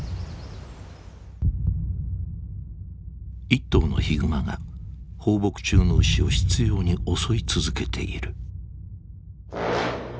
一頭のヒグマが放牧中の牛を執拗に襲い続けている。